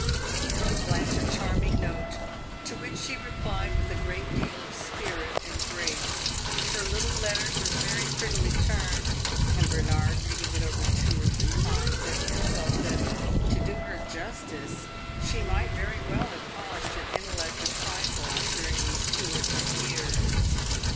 He wrote Blanche a charming note, to which she replied with a great deal of spirit and grace. Her little letter was very prettily turned, and Bernard, reading it over two or three times, said to himself that, to do her justice, she might very well have polished her intellect a trifle during these two or three years.